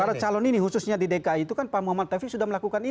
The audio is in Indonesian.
para calon ini khususnya di dki itu kan pak muhammad taufik sudah melakukan itu